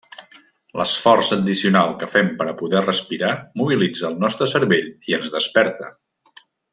L'esforç addicional que fem per a poder respirar mobilitza el nostre cervell i ens desperta.